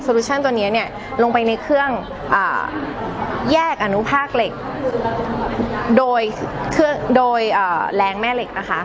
โซลูชั่นตัวนี้เนี่ยลงไปในเครื่องแยกอนุภาคเหล็กโดยแรงแม่เหล็กนะคะ